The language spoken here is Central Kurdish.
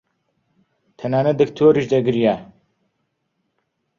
تەنانەت دکتۆریش دەگریا.